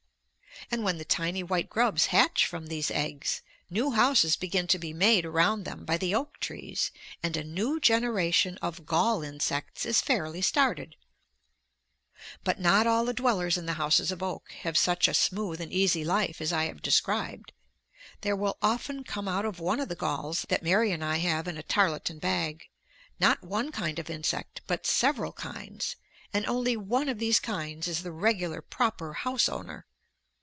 And when the tiny white grubs hatch from these eggs, new houses begin to be made around them by the oak trees, and a new generation of gall insects is fairly started. But not all the dwellers in the houses of oak have such a smooth and easy life as I have described. There will often come out of one of the galls that Mary and I have in a tarlatan bag, not one kind of insect, but several kinds, and only one of these kinds is the regular proper house owner.